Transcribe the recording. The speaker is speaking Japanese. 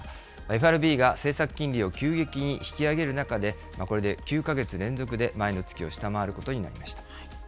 ＦＲＢが政策金利を急激に引き上げる中で、これで９か月連続で前の月を下回ることになりました。